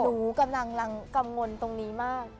หนูกำลังกำลังกำมนตรงนี้มาก